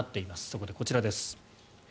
そこでこちらです。